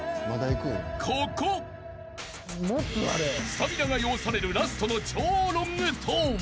［スタミナが要されるラストの超ロングトーン］